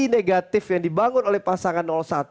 negatif yang dibangun oleh pasangan satu